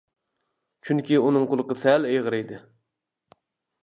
چۈنكى ئۇنىڭ قۇلىقى سەل ئېغىر ئىدى.